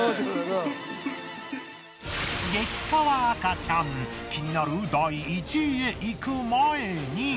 激カワ赤ちゃん気になる第１位へ行く前に。